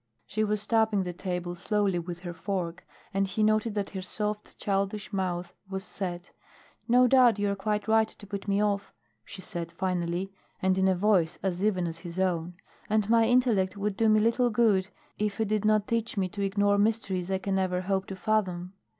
She was tapping the table slowly with her fork, and he noted that her soft, childish mouth was set. "No doubt you are quite right to put me off," she said finally, and in a voice as even as his own. "And my intellect would do me little good if it did not teach me to ignore mysteries I can never hope to fathom.